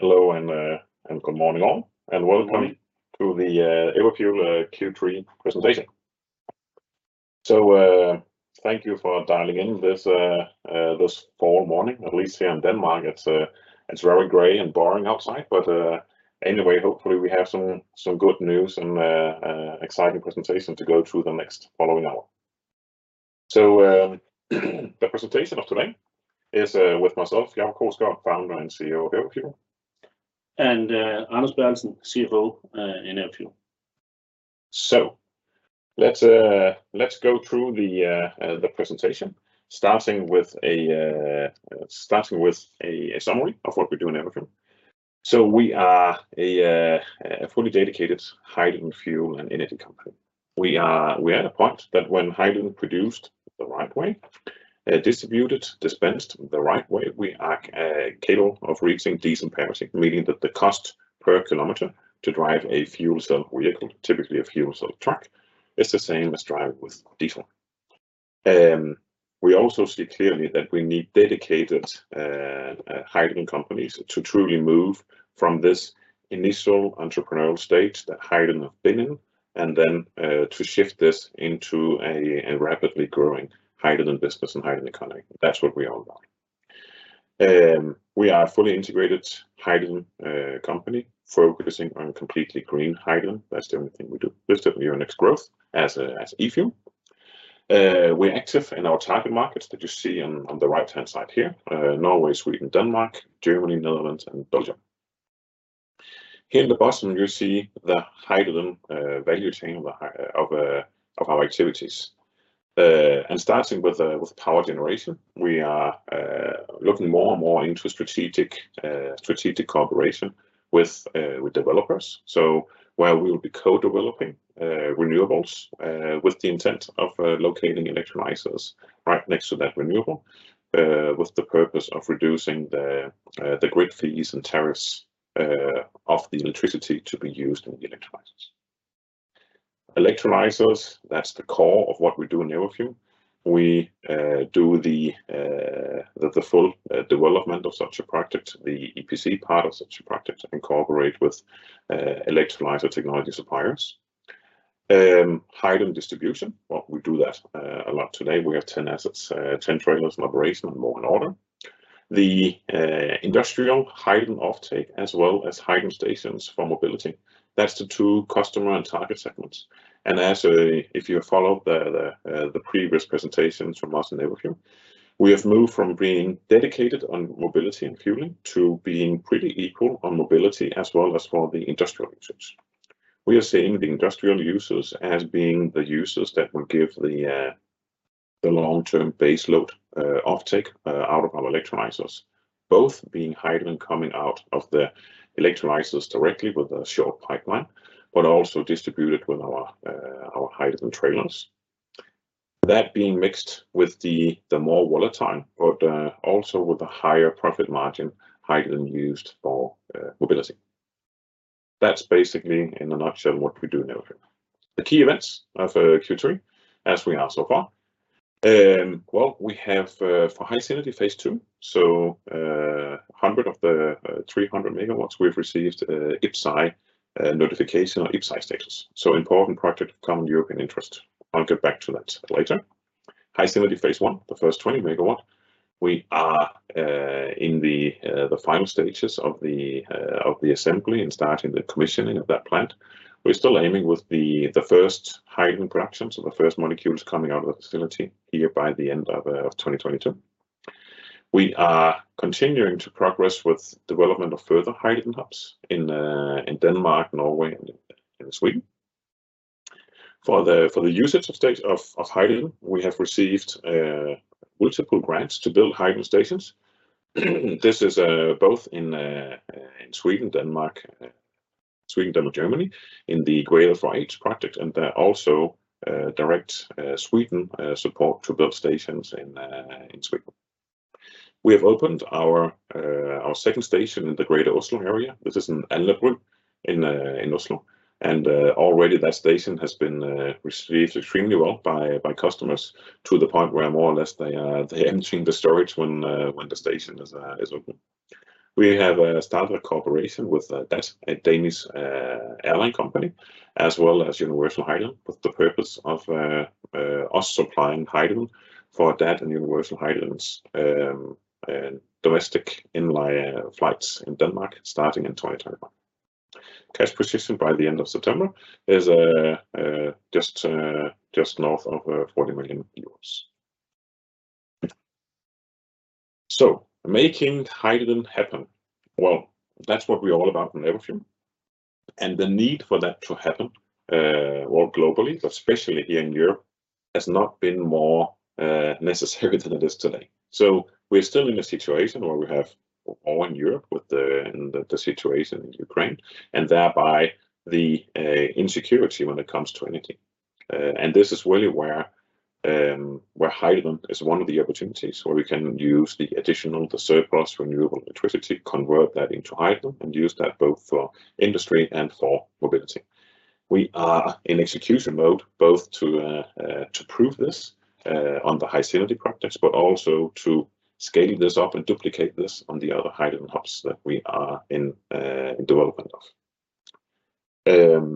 Hello and good morning, all. Mm-hmm Welcome to the Everfuel Q3 presentation. Thank you for dialing in this fall morning, at least here in Denmark. It's very gray and boring outside, but anyway, hopefully we have some good news and exciting presentation to go through the next following hour. The presentation of today is with myself, Jacob Krogsgaard, Founder and CEO of Everfuel. Anders Bertelsen, CFO, in Everfuel. Let's go through the presentation, starting with a summary of what we do in Everfuel. We are a fully dedicated hydrogen fuel and energy company. We are at a point that when hydrogen is produced the right way, distributed, dispensed the right way, we are capable of reaching decent parity, meaning that the cost per kilometer to drive a fuel cell vehicle, typically a fuel cell truck, is the same as driving with diesel. We also see clearly that we need dedicated hydrogen companies to truly move from this initial entrepreneurial stage that hydrogen have been in, and then to shift this into a rapidly growing hydrogen business and hydrogen economy. That's what we are about. We are a fully integrated hydrogen company focusing on completely green hydrogen. That's the only thing we do. With the near next growth as e-fuel. We're active in our target markets that you see on the right-hand side here, Norway, Sweden, Denmark, Germany, Netherlands, and Belgium. Here in the bottom you see the hydrogen value chain of our activities. Starting with power generation, we are looking more and more into strategic cooperation with developers. Where we will be co-developing renewables with the intent of locating electrolyzers right next to that renewable with the purpose of reducing the grid fees and tariffs of the electricity to be used in the electrolyzers. Electrolyzers, that's the core of what we do in Everfuel. We do the full development of such a project, the EPC part of such a project, and cooperate with electrolyzer technology suppliers. Hydrogen distribution, well, we do that a lot today. We have 10 assets, 10 trailers in operation and more on order. The industrial hydrogen offtake as well as hydrogen stations for mobility, that's the two customer and target segments. As if you have followed the previous presentations from us in Everfuel, we have moved from being dedicated on mobility and fueling to being pretty equal on mobility as well as for the industrial users. We are seeing the industrial users as being the users that will give the long-term base load offtake out of our electrolyzers, both being hydrogen coming out of the electrolyzers directly with a short pipeline, but also distributed with our hydrogen trailers, that being mixed with the more volatile, but also with the higher profit margin, hydrogen used for mobility. That's basically in a nutshell what we do in Everfuel. The key events of Q3 as we are so far. Well, we have for HySynergy phase II, so 100 of the 300 megawatts we've received IPCEI notification or IPCEI status, so important project of common European interest. I'll get back to that later. HySynergy phase I, the first 20 MW, we are in the final stages of the assembly and starting the commissioning of that plant. We're still aiming with the first hydrogen production, so the first molecules coming out of the facility here by the end of 2022. We are continuing to progress with development of further hydrogen hubs in Denmark, Norway, and Sweden. For the usage of stage of hydrogen, we have received multiple grants to build hydrogen stations. This is both in Sweden, Denmark, Sweden, Denmark, Germany, in the GREATER4H project, and also direct Sweden support to build stations in Sweden. We have opened our second station in the Greater Oslo area. This is in Alnabru in Oslo. Already that station has been received extremely well by customers to the point where more or less they're emptying the storage when the station is open. We have started a cooperation with DAT, a Danish airline company, as well as Universal Hydrogen with the purpose of us supplying hydrogen for DAT and Universal Hydrogen's domestic flights in Denmark starting in 2021. Cash position by the end of September is just north of EUR 40 million. Making hydrogen happen. Well, that's what we're all about in Everfuel. The need for that to happen, well, globally, but especially here in Europe, has not been more necessary than it is today. We're still in a situation where we have war in Europe with the, in the situation in Ukraine, and thereby the insecurity when it comes to energy. This is really where hydrogen is one of the opportunities where we can use the additional, the surplus renewable electricity, convert that into hydrogen, and use that both for industry and for mobility. We are in execution mode both to prove this on the HySynergy projects, but also to scale this up and duplicate this on the other hydrogen hubs that we are in development of.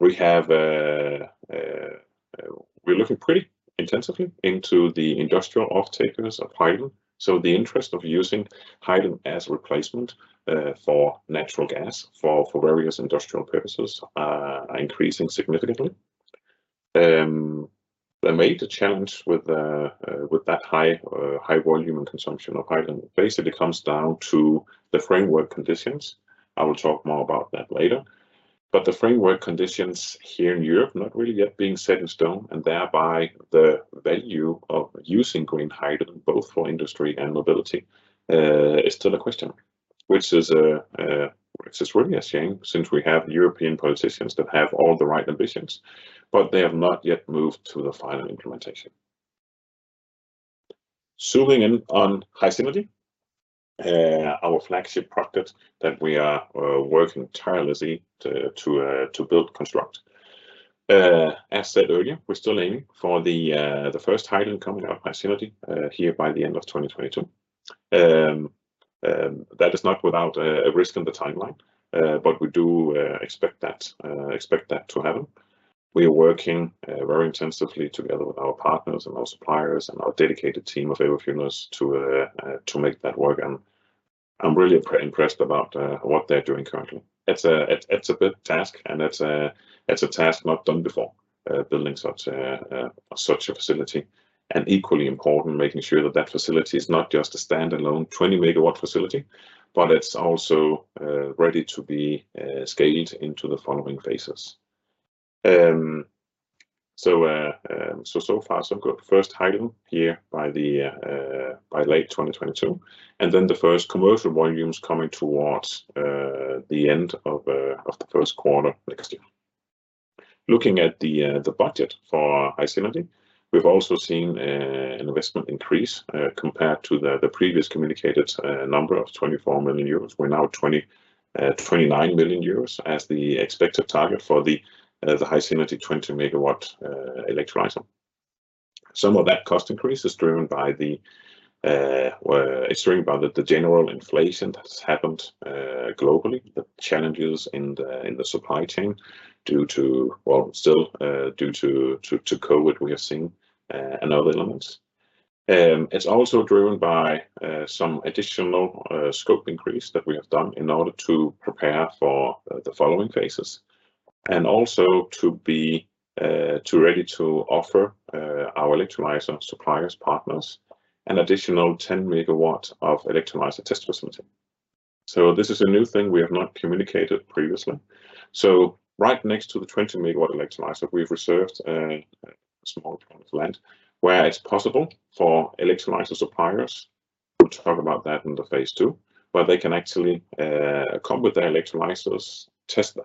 We have we're looking pretty intensively into the industrial off-takers of hydrogen. The interest of using hydrogen as replacement for natural gas for various industrial purposes are increasing significantly. The major challenge with that high volume and consumption of hydrogen basically comes down to the framework conditions. I will talk more about that later. The framework conditions here in Europe not really yet being set in stone, and thereby the value of using green hydrogen both for industry and mobility is still a question. Which is really a shame since we have European politicians that have all the right ambitions, but they have not yet moved to the final implementation. Zooming in on HySynergy, our flagship project that we are working tirelessly to build, construct. As said earlier, we're still aiming for the first hydrogen coming out of HySynergy here by the end of 2022. That is not without a risk in the timeline, but we do expect that to happen. We are working very intensively together with our partners and our suppliers and our dedicated team of Everfuelers to make that work, and I'm really impressed about what they're doing currently. It's a big task, and it's a task not done before, building such a facility. Equally important, making sure that that facility is not just a standalone 20-megawatt facility, but it's also ready to be scaled into the following phases. So far, so good. First hydrogen here by late 2022, and then the first commercial volumes coming towards the end of the first quarter next year. Looking at the budget for HySynergy, we've also seen an investment increase compared to the previous communicated number of 24 million euros. We're now 29 million euros as the expected target for the HySynergy 20-megawatt electrolyzer. Some of that cost increase is driven by the general inflation that has happened globally, the challenges in the supply chain due to still due to COVID, we are seeing and other elements. It's also driven by some additional scope increase that we have done in order to prepare for the following phases. Also to be ready to offer our electrolyzer suppliers, partners, an additional 10 megawatt of electrolyzer test facility. This is a new thing we have not communicated previously. Right next to the 20-megawatt electrolyzer, we've reserved a small plot of land where it's possible for electrolyzer suppliers, we'll talk about that in the phase II, where they can actually come with their electrolyzers, test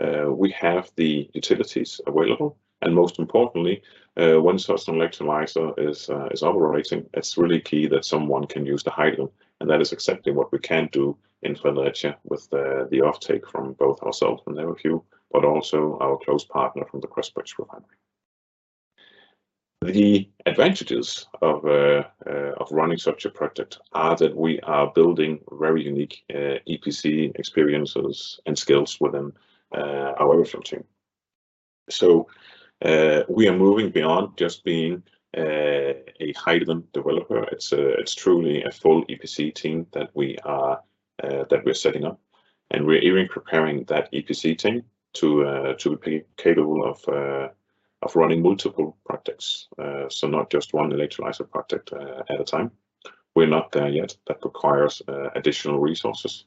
that. We have the utilities available, and most importantly, once such an electrolyzer is operating, it's really key that someone can use the hydrogen, and that is exactly what we can do in Fredericia with the offtake from both ourselves and Everfuel, but also our close partner from the Crossbridge Refinery. The advantages of running such a project are that we are building very unique EPC experiences and skills within our Everfuel team. We are moving beyond just being a hydrogen developer. It's, it's truly a full EPC team that we are, that we're setting up. We're even preparing that EPC team to be capable of running multiple projects, so not just one electrolyzer project at a time. We're not there yet. That requires additional resources,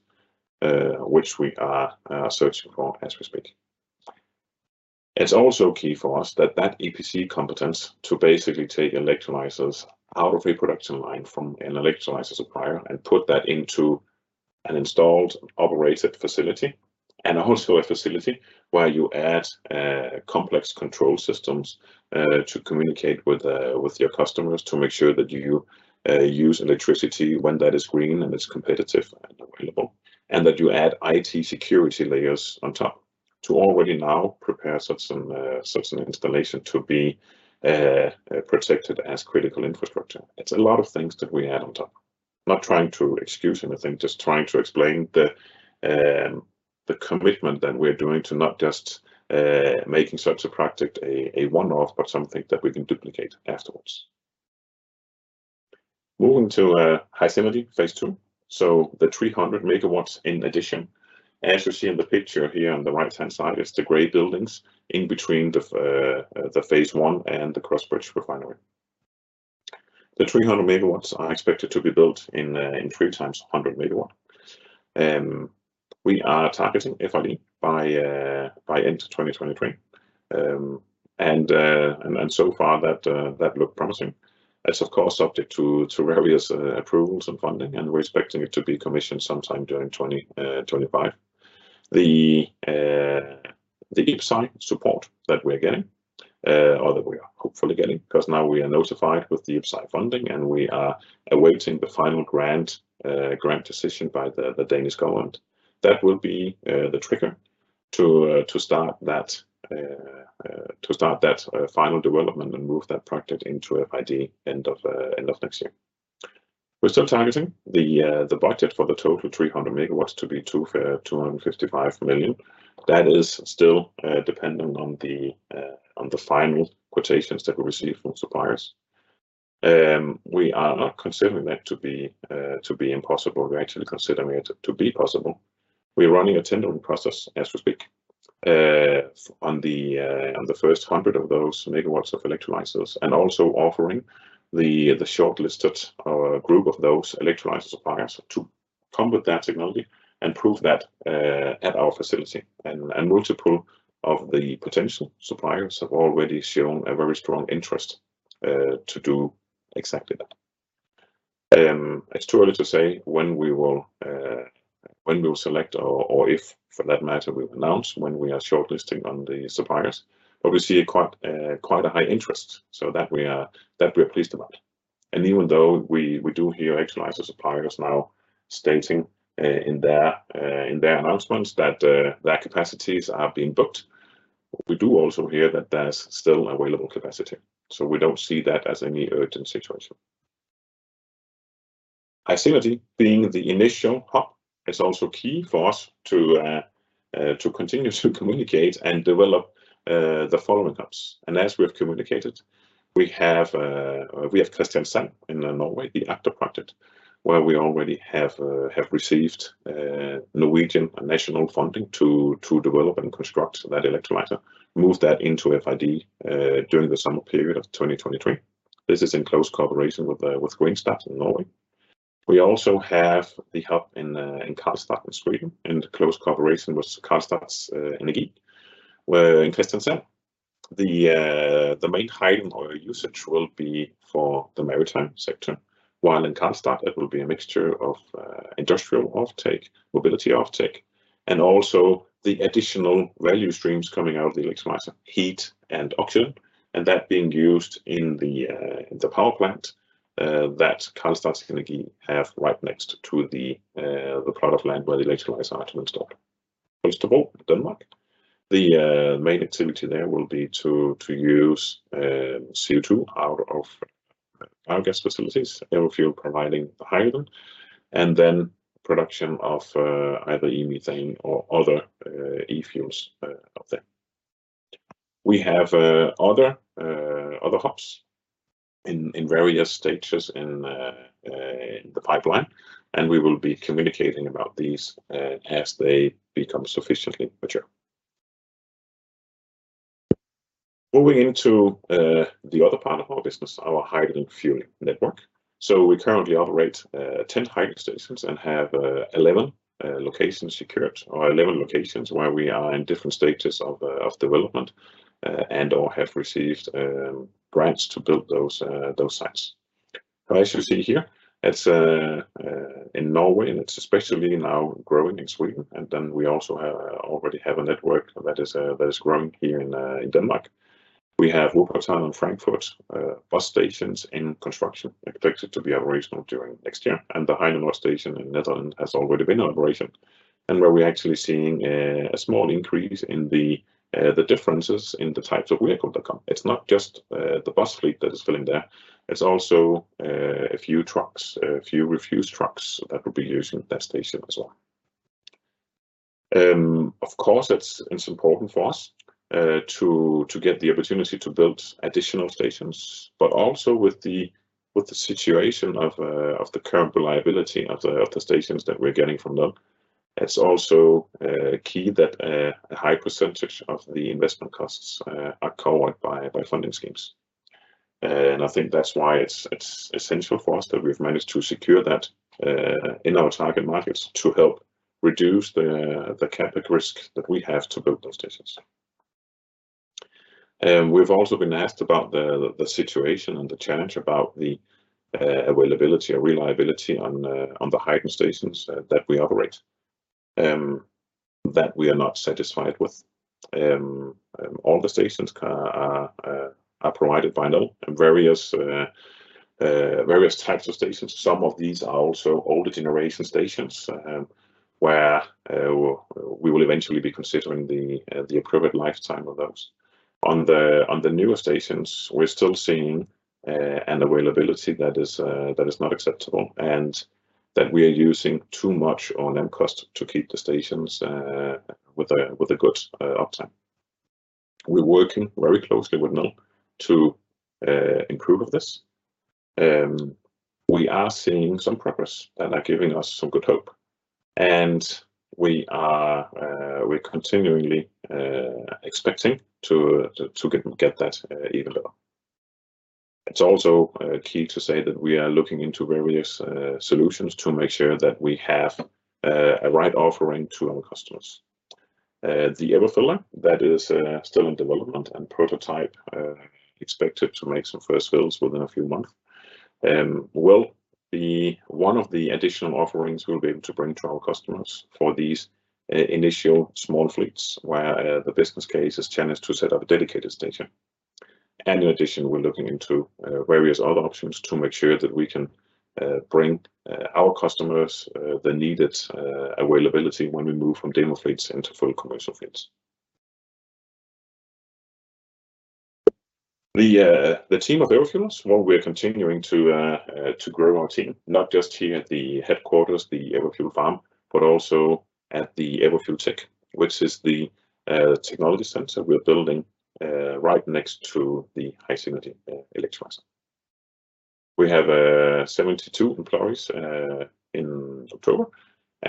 which we are searching for as we speak. It's also key for us that that EPC competence to basically take electrolyzers out of a production line from an electrolyzer supplier and put that into an installed, operated facility, and also a facility where you add complex control systems to communicate with your customers to make sure that you use electricity when that is green and is competitive and available. That you add IT security layers on top to already now prepare such an installation to be protected as critical infrastructure. It's a lot of things that we add on top. Not trying to excuse anything, just trying to explain the commitment that we're doing to not just making such a project a one-off, but something that we can duplicate afterwards. Moving to HySynergy phase II, so the 300 megawatts in addition. As you see in the picture here on the right-hand side is the gray buildings in between the phase one and the Crossbridge Refinery. The 300 megawatts are expected to be built in 3x 100 megawatt. We are targeting, if I may, by end of 2023. So far that look promising. That's of course subject to various approvals and funding, and we're expecting it to be commissioned sometime during 2025. The upside support that we're getting, or that we are hopefully getting, because now we are notified with the upside funding, and we are awaiting the final grant decision by the Danish government. That will be the trigger to start that final development and move that project into FID end of next year. We're still targeting the budget for the total 300 megawatts to be 255 million. That is still dependent on the final quotations that we receive from suppliers. We are not considering that to be impossible. We're actually considering it to be possible. We're running a tendering process as we speak, on the first 100 MW of those electrolyzers and also offering the shortlisted group of those electrolyzer suppliers to come with that technology and prove that at our facility. Multiple of the potential suppliers have already shown a very strong interest to do exactly that. It's too early to say when we will select or if, for that matter, we've announced when we are shortlisting on the suppliers. We see a quite a high interest, so that we are pleased about. Even though we do hear electrolyzer suppliers now stating in their announcements that their capacities are being booked, we do also hear that there's still available capacity. We don't see that as any urgent situation. HyCity being the initial hub is also key for us to continue to communicate and develop the following hubs. As we have communicated, we have Kristiansand in Norway, the ACTA project, where we already have received Norwegian and national funding to develop and construct that electrolyzer, move that into FID during the summer period of 2023. This is in close cooperation with Greenstat in Norway. We also have the hub in Karlstad in Sweden, in close cooperation with Karlstads Energi. Where in Kristiansand, the main hydrogen oil usage will be for the maritime sector. While in Karlstad, it will be a mixture of industrial offtake, mobility offtake, and also the additional value streams coming out of the electrolyzer, heat and oxygen, and that being used in the power plant that Karlstads Energi have right next to the plot of land where the electrolyzers are to be installed. Østerild, Denmark, the main activity there will be to use CO2 out of bio gas facilities, Everfuel providing the hydrogen, and then production of either e-methane or other e-fuels up there. We have other hubs in various stages in the pipeline, and we will be communicating about these as they become sufficiently mature. Moving into the other part of our business, our hydrogen fueling network. We currently operate 10 hydrogen stations and have 11 locations secured or 11 locations where we are in different stages of development and/or have received grants to build those sites. As you see here, it's in Norway, and it's especially now growing in Sweden, and then we also have already have a network that is growing here in Denmark. We have Wuppertal and Frankfurt bus stations in construction, expected to be operational during next year. The Heinenoord station in the Netherlands has already been operational. Where we're actually seeing a small increase in the differences in the types of vehicle that come. It's not just the bus fleet that is filling there. It's also a few trucks, a few refuse trucks that will be using that station as well. Of course, it's important for us to get the opportunity to build additional stations, but also with the situation of the current reliability of the stations that we're getting from Nel, it's also key that a high percentage of the investment costs are covered by funding schemes. I think that's why it's essential for us that we've managed to secure that in our target markets to help reduce the CapEx risk that we have to build those stations. We've also been asked about the situation and the challenge about the availability or reliability on the hydrogen stations that we operate that we are not satisfied with. All the stations are provided by Nel, various types of stations. Some of these are also older generation stations, where we will eventually be considering the appropriate lifetime of those. On the newer stations, we're still seeing an availability that is not acceptable and that we are using too much on them cost to keep the stations with a good uptime. We're working very closely with Nel to improve of this. We are seeing some progress that are giving us some good hope. We're continually expecting to get that even lower. It's also, key to say that we are looking into various, solutions to make sure that we have, a right offering to our customers. The EverFiller that is, still in development and prototype, expected to make some first fills within a few months, will be one of the additional offerings we'll be able to bring to our customers for these initial small fleets where the business case is challenged to set up a dedicated station. In addition, we're looking into various other options to make sure that we can bring our customers the needed availability when we move from demo fleets into full commercial fleets. The team of Everfuelers, well, we're continuing to grow our team, not just here at the headquarters, the Everfuel farm, but also at the Everfuel Tech, which is the technology center we're building right next to the HySynergy electrolyzer. We have 72 employees in October,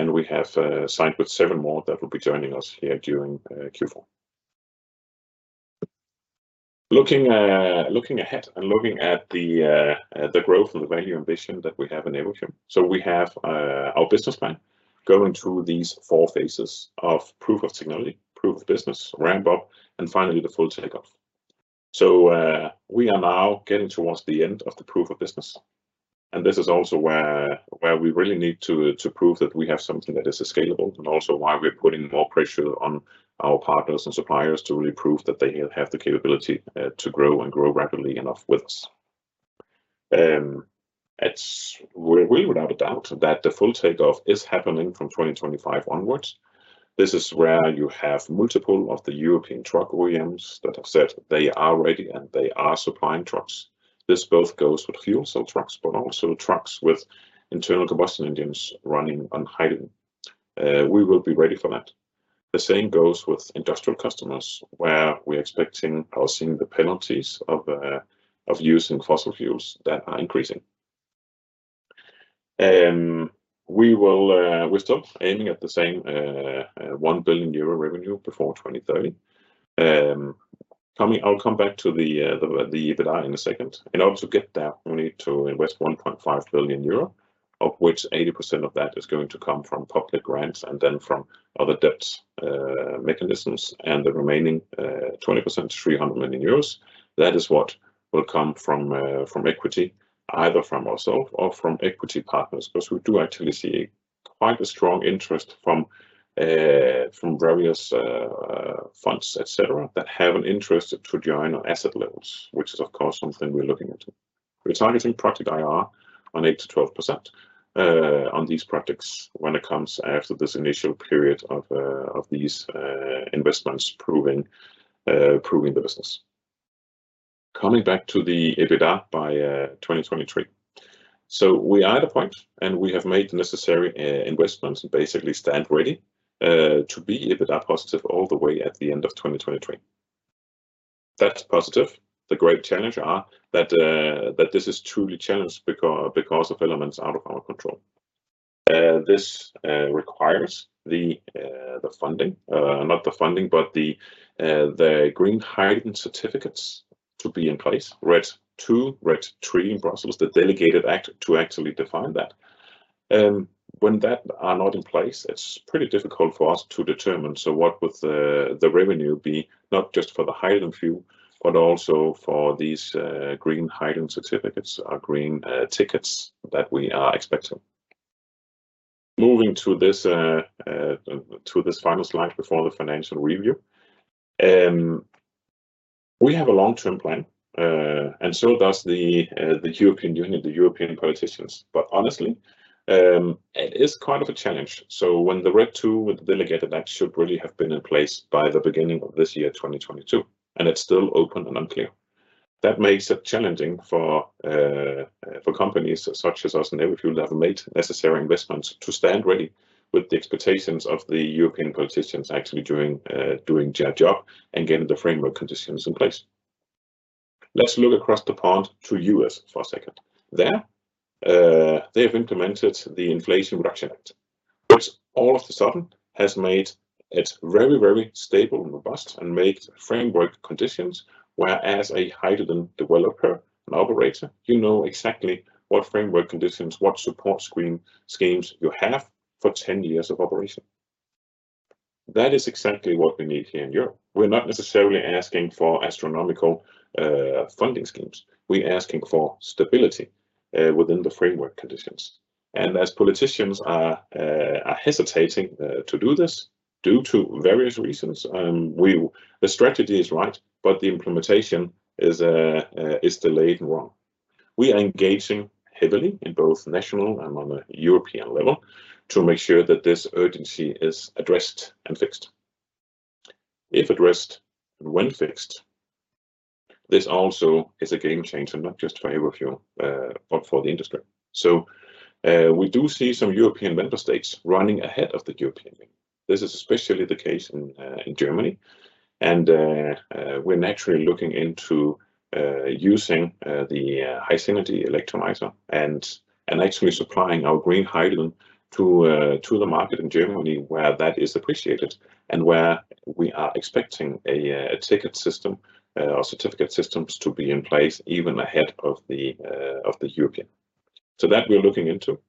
we have signed with seven more that will be joining us here during Q4. Looking ahead and looking at the growth and the value ambition that we have in Everfuel. We have our business plan going through these four phases of proof of technology, proof of business, ramp up, and finally the full takeoff. We are now getting towards the end of the proof of business. This is also where we really need to prove that we have something that is scalable and also why we're putting more pressure on our partners and suppliers to really prove that they have the capability to grow and grow rapidly enough with us. We would have a doubt that the full takeoff is happening from 2025 onwards. This is where you have multiple of the European truck OEMs that have said they are ready and they are supplying trucks. This both goes with fuel cell trucks, but also trucks with internal combustion engines running on hydrogen. We will be ready for that. The same goes with industrial customers where we're expecting or seeing the penalties of using fossil fuels that are increasing. We're still aiming at the same 1 billion euro revenue before 2030. I'll come back to the EBITDA in a second. In order to get that, we need to invest 1.5 billion euro, of which 80% of that is going to come from public grants and then from other debt mechanisms and the remaining 20%, 300 million euros. That is what will come from equity, either from ourselves or from equity partners, because we do actually see quite a strong interest from various funds, et cetera, that have an interest to join our asset levels, which is, of course, something we're looking at. We're targeting project IRR on 8%-12% on these projects when it comes after this initial period of these investments proving the business. Coming back to the EBITDA by 2023. We are at a point and we have made the necessary investments and basically stand ready to be EBITDA positive all the way at the end of 2023. That's positive. The great challenge are that this is truly challenged because of elements out of our control. This requires the funding, not the funding, but the green hydrogen certificates to be in place, RED II, RED III in Brussels, the delegated act to actually define that. When that are not in place, it's pretty difficult for us to determine. What would the revenue be, not just for the hydrogen fuel, but also for these green hydrogen certificates or green tickets that we are expecting? Moving to this final slide before the financial review. We have a long-term plan and so does the European Union, the European politicians. Honestly, it is quite of a challenge. When the RED II with the delegated act should really have been in place by the beginning of this year, 2022, and it's still open and unclear. That makes it challenging for companies such as us and Everfuel that have made necessary investments to stand ready with the expectations of the European politicians actually doing their job and getting the framework conditions in place. Let's look across the pond to US for a second. There, they have implemented the Inflation Reduction Act, which all of a sudden has made it very, very stable and robust and made framework conditions where as a hydrogen developer and operator, you know exactly what framework conditions, what support schemes you have for 10 years of operation. That is exactly what we need here in Europe. We're not necessarily asking for astronomical funding schemes. We're asking for stability within the framework conditions. As politicians are hesitating to do this due to various reasons, the strategy is right, but the implementation is delayed and wrong. We are engaging heavily in both national and on a European level to make sure that this urgency is addressed and fixed. If addressed and when fixed, this also is a game changer, not just for Everfuel, but for the industry. We do see some European member states running ahead of the European Union. This is especially the case in Germany. We're naturally looking into using the HySynergy electrolyzer and actually supplying our green hydrogen to the market in Germany where that is appreciated and where we are expecting a ticket system or certificate systems to be in place even ahead of the European. That we're looking into.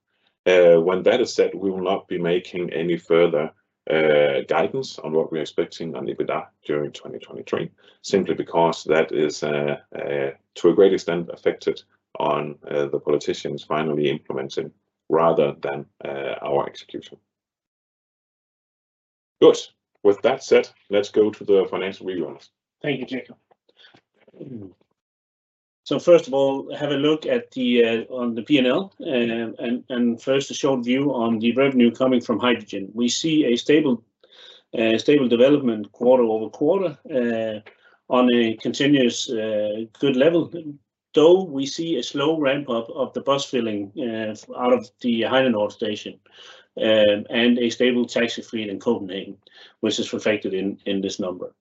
When that is said, we will not be making any further guidance on what we're expecting on EBITDA during 2023, simply because that is to a great extent affected on the politicians finally implementing rather than our execution. Good. With that said, let's go to the financial review. Thank you, Jacob. First of all, have a look at the on the P&L, and first a short view on the revenue coming from hydrogen. We see a stable development quarter-over-quarter on a continuous good level. We see a slow ramp up of the bus filling out of the Heinenoord station and a stable taxi fleet in Copenhagen, which is reflected in this number.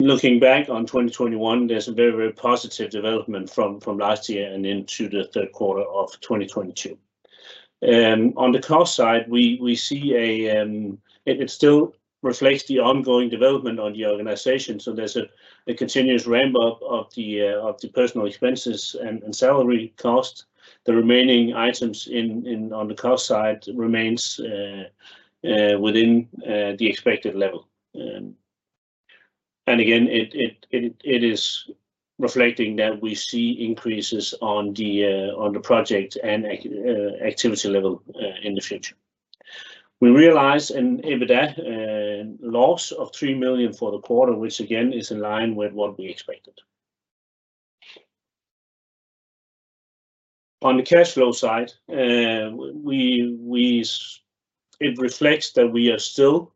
Looking back on 2021, there's a very, very positive development from last year and into the third quarter of 2022. On the cost side, we see a. It still reflects the ongoing development on the organization, so there's a continuous ramp up of the personal expenses and salary costs. The remaining items on the cost side remains within the expected level. It is reflecting that we see increases on the project and activity level in the future. We realized an EBITA loss of 3 million for the quarter, which again is in line with what we expected. On the cash flow side, it reflects that we are still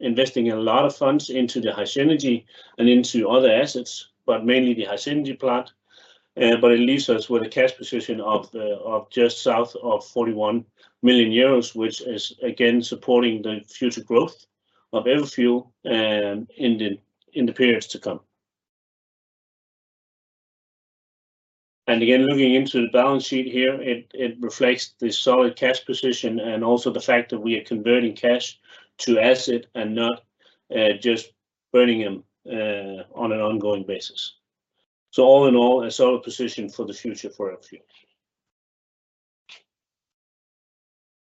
investing a lot of funds into the HySynergy and into other assets, but mainly the HySynergy plant. It leaves us with a cash position of just south of 41 million euros, which is again supporting the future growth of Everfuel in the periods to come. Again, looking into the balance sheet here, it reflects the solid cash position and also the fact that we are converting cash to asset and not just burning them on an ongoing basis. All in all, a solid position for the future for Everfuel.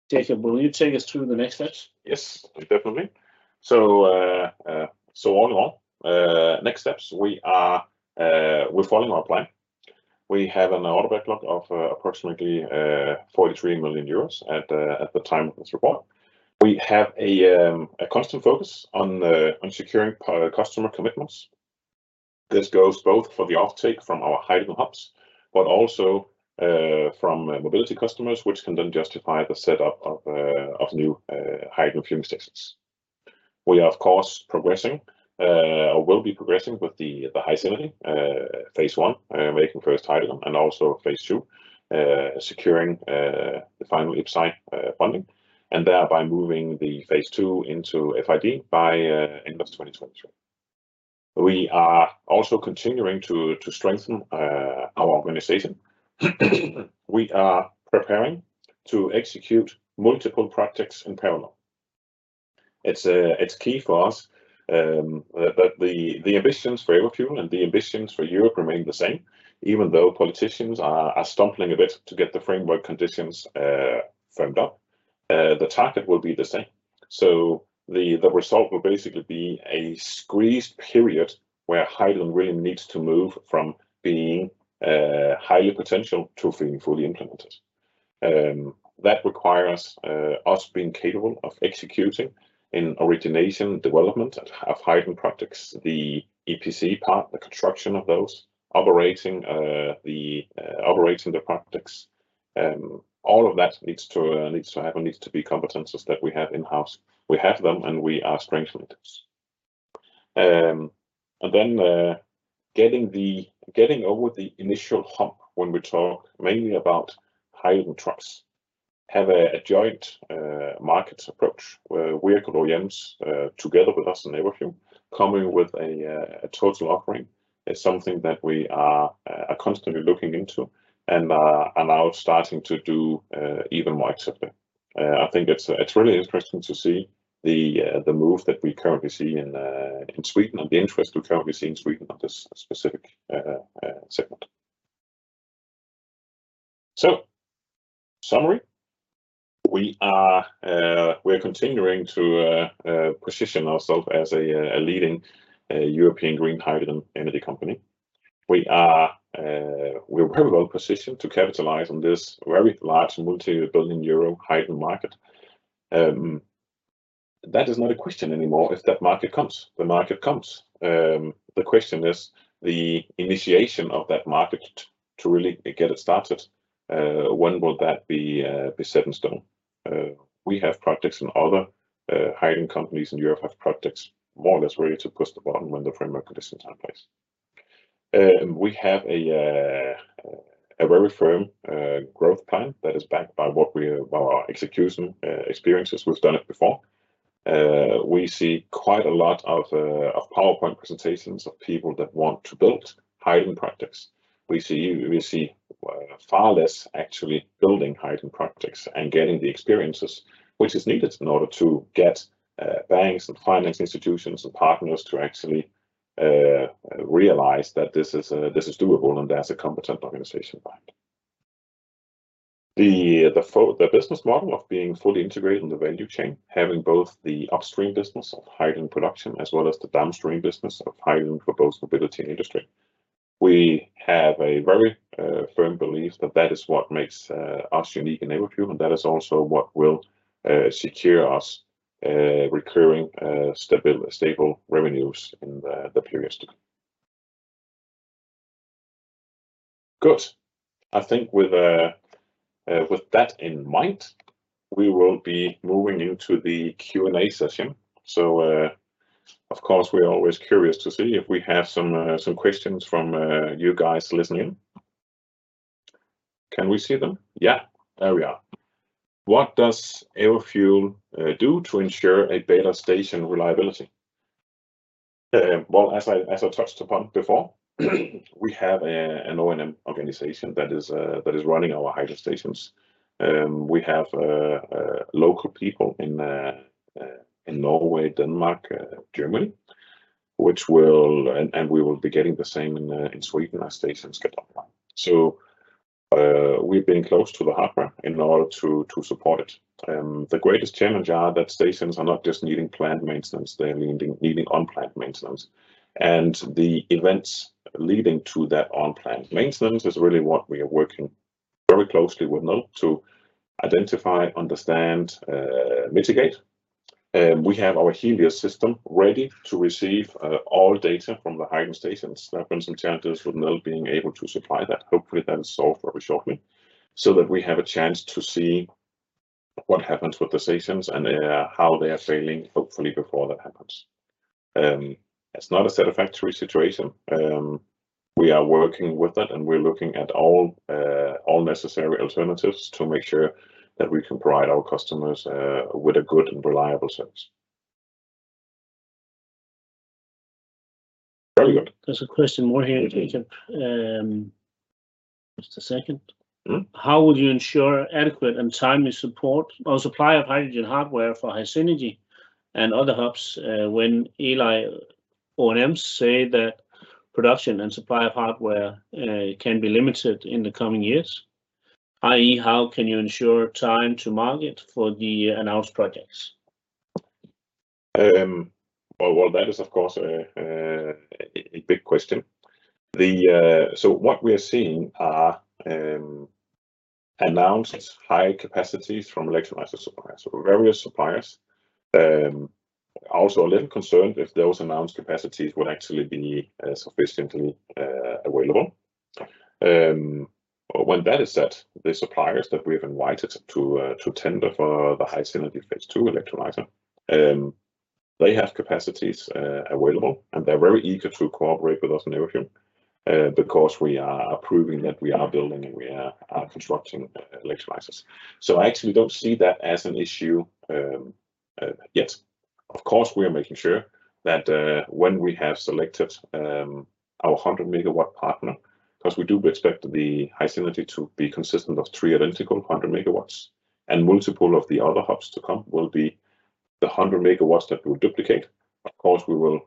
Jacob, will you take us through the next steps? Yes, definitely. All in all, next steps, we are following our plan. We have an order backlog of approximately 43 million euros at the time of this report. We have a constant focus on securing customer commitments. This goes both for the offtake from our hydrogen hubs, but also from mobility customers, which can then justify the setup of new hydrogen fueling stations. We are of course progressing or will be progressing with the HySynergy phase I, making first hydrogen and also phase II, securing the final IPCEI funding and thereby moving the phase II into FID by end of 2023. We are also continuing to strengthen our organization. We are preparing to execute multiple projects in parallel. It's key for us that the ambitions for Everfuel and the ambitions for Europe remain the same. Even though politicians are stumbling a bit to get the framework conditions firmed up, the target will be the same. The result will basically be a squeezed period where hydrogen really needs to move from being high potential to being fully implemented. That requires us being capable of executing in origination development of hydrogen projects, the EPC part, the construction of those, operating the projects. All of that needs to happen, needs to be competencies that we have in-house. We have them, and we are strengthening this. Getting over the initial hump when we talk mainly about hydrogen trucks. Have a joint markets approach where vehicle OEMs together with us and Everfuel coming with a total offering is something that we are constantly looking into and are now starting to do even more actively. I think it's really interesting to see the move that we currently see in Sweden and the interest we're currently seeing in Sweden on this specific segment. Summary, we are continuing to position ourself as a leading European green hydrogen energy company. We are very well positioned to capitalize on this very large multi-billion EUR hydrogen market. That is not a question anymore if that market comes. The market comes. The question is the initiation of that market to really get it started, when will that be set in stone? We have projects and other hydrogen companies in Europe have projects more or less ready to push the button when the framework conditions are in place. We have a very firm growth plan that is backed by what we, by our execution experiences. We've done it before. We see quite a lot of PowerPoint presentations of people that want to build hydrogen projects. We see far less actually building hydrogen projects and getting the experiences which is needed in order to get banks and finance institutions and partners to actually realize that this is doable, and there's a competent organization behind. The business model of being fully integrated in the value chain, having both the upstream business of hydrogen production as well as the downstream business of hydrogen for both mobility and industry. We have a very firm belief that that is what makes us unique enable to you, and that is also what will secure us recurring stable revenues in the period. Good. I think with that in mind, we will be moving into the Q&A session. Of course, we are always curious to see if we have some questions from you guys listening. Can we see them? Yeah. There we are. What does Everfuel do to ensure a better station reliability? Well, as I touched upon before, we have an O&M organization that is running our hydrogen stations. We have local people in Norway, Denmark, Germany. We will be getting the same in Sweden as stations get online. We've been close to the hardware in order to support it. The greatest challenge are that stations are not just needing plant maintenance, they're needing unplanned maintenance. The events leading to that unplanned maintenance is really what we are working very closely with now to identify, understand, mitigate. We have our Helios system ready to receive all data from the hydrogen stations. That brings some challenges with now being able to supply that, hopefully then solve very shortly so that we have a chance to see what happens with the stations and how they are failing, hopefully before that happens. It's not a satisfactory situation. We are working with it, and we're looking at all necessary alternatives to make sure that we can provide our customers, with a good and reliable service. Very good. There's a question more here, Jacob. Just a second. Mm-hmm. How would you ensure adequate and timely support or supply of hydrogen hardware for HySynergy and other hubs, when OEM say that production and supply of hardware can be limited in the coming years? I.e., how can you ensure time to market for the announced projects? Well, that is of course a big question. What we are seeing are announced high capacities from electrolyzer suppliers. Various suppliers, also a little concerned if those announced capacities would actually be sufficiently available. When that is set, the suppliers that we have invited to tender for the HySynergy phase II electrolyzer, they have capacities available, and they're very eager to cooperate with us in everything, because we are approving that we are building and we are constructing electrolyzers. I actually don't see that as an issue yet. Of course, we are making sure that, when we have selected, our 100 megawatt partner, because we do expect the HySynergy to be consistent of three identical 100 megawatts, and multiple of the other hubs to come will be the 100 megawatts that we'll duplicate. Of course, we will,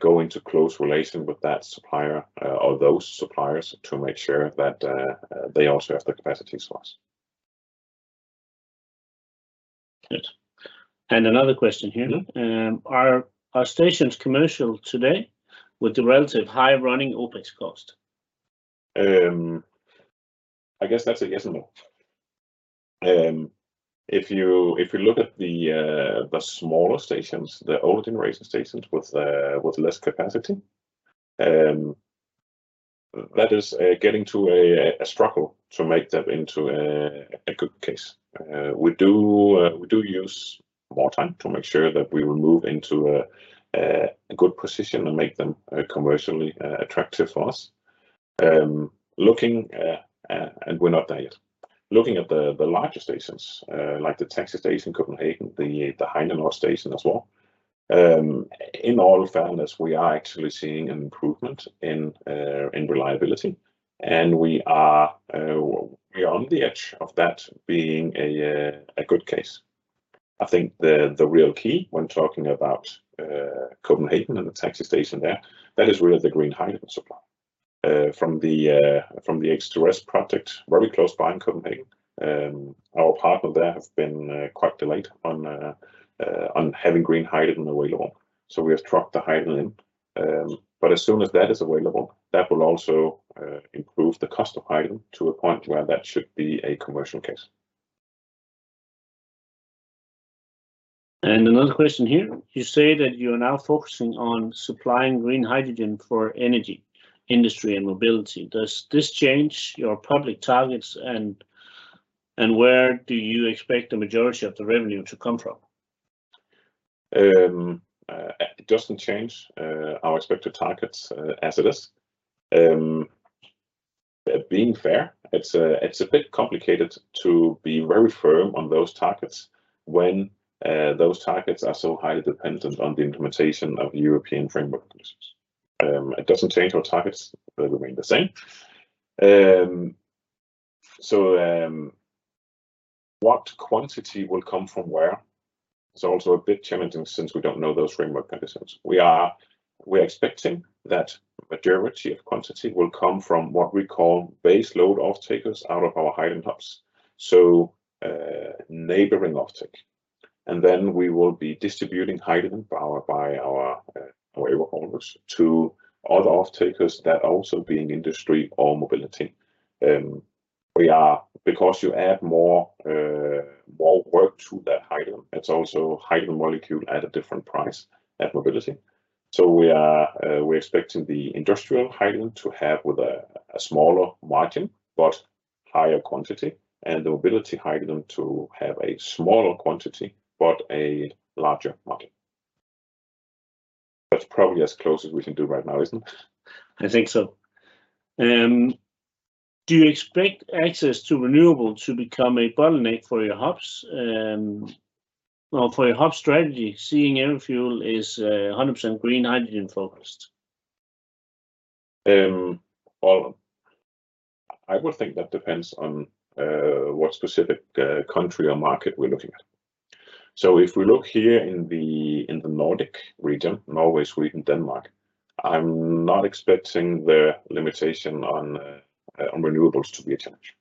go into close relation with that supplier, or those suppliers to make sure that, they also have the capacity for us. Good. Another question here. Mm-hmm. Are stations commercial today with the relative high running OpEx cost? I guess that's a yes or no. If you, if you look at the smaller stations, the older generation stations with less capacity, that is getting to a struggle to make that into a good case. We do, we do use more time to make sure that we will move into a good position and make them commercially attractive for us. Looking, and we're not there yet. Looking at the larger stations, like the taxi station in Copenhagen, the Heinenoord station as well, in all fairness, we are actually seeing an improvement in reliability, and we are, we're on the edge of that being a good case. I think the real key when talking about Copenhagen and the taxi station there, that is really the green hydrogen supply from the H2RES project very close by in Copenhagen. Our partner there have been quite delayed on having green hydrogen available, so we have trucked the hydrogen in. As soon as that is available, that will also improve the cost of hydrogen to a point where that should be a commercial case. Another question here. You say that you are now focusing on supplying green hydrogen for energy industry and mobility. Does this change your public targets, and where do you expect the majority of the revenue to come from? It doesn't change our expected targets as it is. Being fair, it's a bit complicated to be very firm on those targets when those targets are so highly dependent on the implementation of European framework conditions. It doesn't change our targets. They remain the same. What quantity will come from where is also a bit challenging since we don't know those framework conditions. We are expecting that majority of quantity will come from what we call base load off takers out of our hydrogen hubs. Neighboring off take. We will be distributing hydrogen power by our way almost to other off-takers that also be in industry or mobility. Because you add more work to that hydrogen, it's also hydrogen molecule at a different price at mobility. We are, we're expecting the industrial hydrogen to have with a smaller margin but higher quantity, and the mobility hydrogen to have a smaller quantity, but a larger margin. That's probably as close as we can do right now, isn't it? I think so. Do you expect access to renewable to become a bottleneck for your hubs, or for your hub strategy, seeing Everfuel is 100% green hydrogen focused? Well, I would think that depends on what specific country or market we're looking at. If we look here in the Nordic region, Norway, Sweden, Denmark, I'm not expecting the limitation on renewables to be a challenge.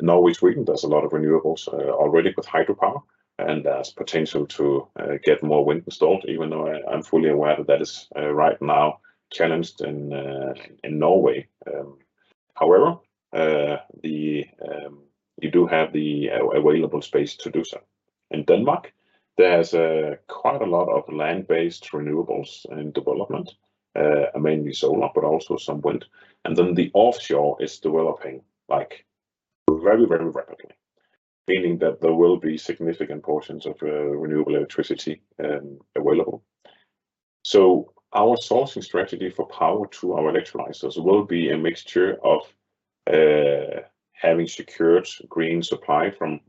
Norway, Sweden, there's a lot of renewables already with hydropower, and there's potential to get more wind installed, even though I'm fully aware that is right now challenged in Norway. However, you do have the available space to do so. In Denmark, there's quite a lot of land-based renewables in development, mainly solar, but also some wind. The offshore is developing, like, very, very rapidly, meaning that there will be significant portions of renewable electricity available. Our sourcing strategy for power to our electrolyzers will be a mixture of having secured green supply from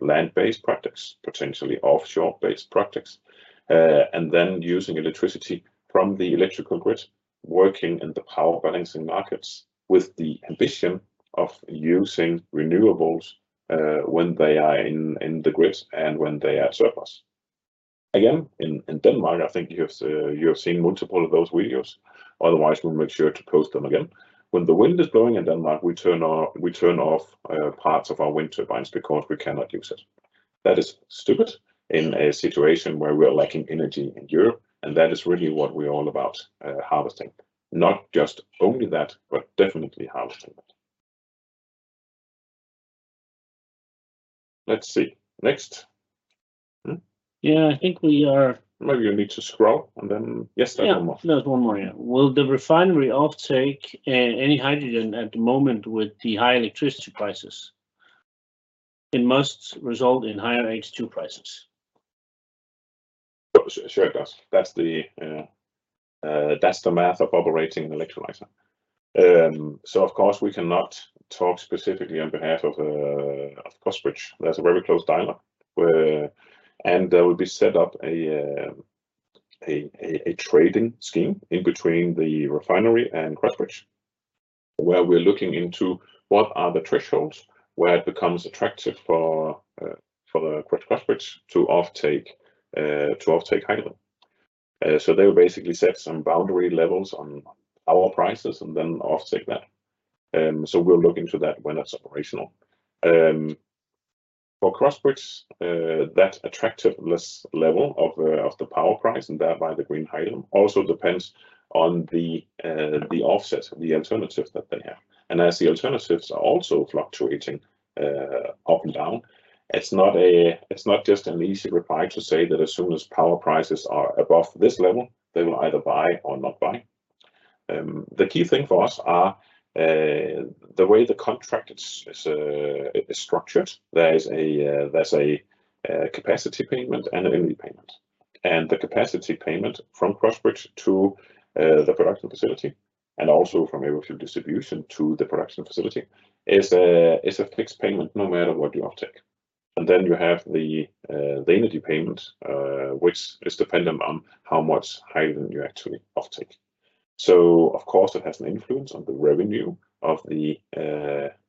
land-based projects, potentially offshore-based projects, and then using electricity from the electrical grid working in the power balancing markets with the ambition of using renewables when they are in the grid and when they are surplus. Again, in Denmark, I think you have seen multiple of those videos. Otherwise, we'll make sure to post them again. When the wind is blowing in Denmark, we turn off parts of our wind turbines because we cannot use it. That is stupid in a situation where we are lacking energy in Europe, and that is really what we're all about harvesting. Not just only that, but definitely harvesting it. Let's see. Next. Hmm? Yeah, I think we. Maybe you need to scroll and then... Yes, there's one more. There's one more. Will the refinery offtake any hydrogen at the moment with the high electricity prices? It must result in higher H2 prices. Sure. Sure, it does. That's the, that's the math of operating an electrolyzer. Of course, we cannot talk specifically on behalf of Crossbridge. That's a very close dialog where and there will be set up a trading scheme in between the refinery and Crossbridge, where we're looking into what are the thresholds where it becomes attractive for Crossbridge to offtake hydrogen. They will basically set some boundary levels on our prices and then offtake that. We'll look into that when that's operational. For Crossbridge, that attractiveness level of the power price and thereby the green hydrogen also depends on the offset, the alternatives that they have. As the alternatives are also fluctuating, up and down, it's not just an easy reply to say that as soon as power prices are above this level, they will either buy or not buy. The key thing for us are, the way the contract is structured. There is a capacity payment and an energy payment. The capacity payment from Crossbridge to the production facility and also from our fuel distribution to the production facility is a fixed payment no matter what you offtake. Then you have the energy payment, which is dependent on how much hydrogen you actually offtake. Of course, it has an influence on the revenue of the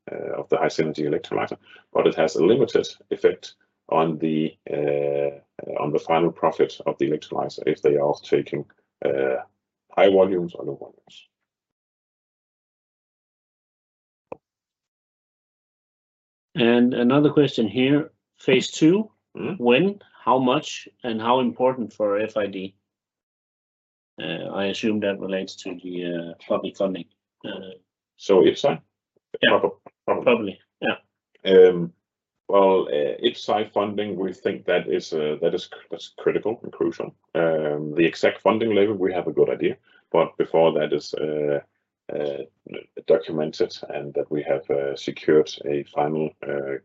of the high energy electrolyzer, but it has a limited effect on the on the final profit of the electrolyzer if they are offtaking high volumes or low volumes. another question here. phase II. Mm-hmm. When, how much, and how important for FID? I assume that relates to the public funding. IPCEI? Yeah. Public. Probably, yeah. IPCEI funding, we think that's critical and crucial. The exact funding level, we have a good idea. Before that is documented and that we have secured a final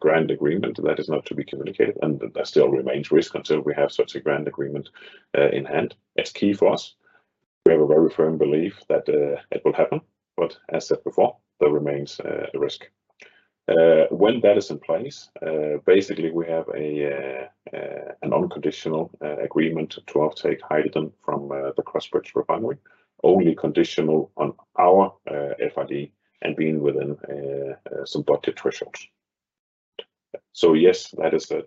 grant agreement, that is not to be communicated, and that still remains risk until we have such a grant agreement in hand. It's key for us. We have a very firm belief that it will happen. As said before, there remains a risk. When that is in place, basically we have an unconditional agreement to offtake hydrogen from the Crossbridge Refinery, only conditional on our FID and being within some budget thresholds. Yes,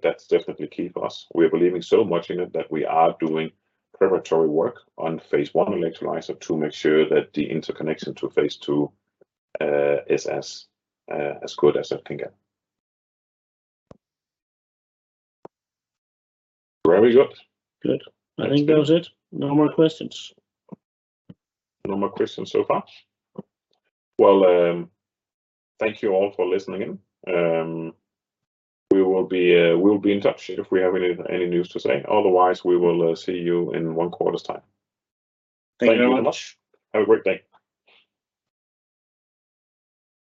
that's definitely key for us. We are believing so much in it that we are doing preparatory work on phase I electrolyzer to make sure that the interconnection to phase II, is as good as it can get. Very good. Good. That's good. I think that was it. No more questions. No more questions so far. Well, thank you all for listening in. We will be in touch if we have any news to say. Otherwise, we will see you in one quarter's time. Thank you very much. Thank you very much. Have a great day.